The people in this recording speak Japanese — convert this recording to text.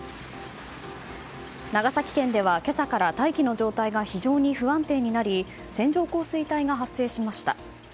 長崎県では、今朝から大気の状態が非常に不安定になり線状降水帯が発生しました。